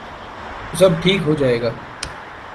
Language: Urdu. تو سب ٹھیک ہو جائے گا۔